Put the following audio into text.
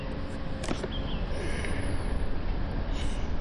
During the winter months the area hosts backcountry skiing and snowmobile activities.